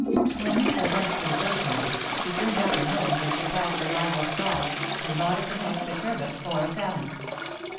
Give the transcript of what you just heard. When Lisa went to the fish market, she turned up her nose Avhen she passed her rival's stall, and bought at the next, a turbot or a salmon.